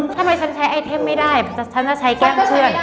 ทำไมฉันใช้ไอเทมไม่ได้ฉันจะใช้แก้มเพื่อน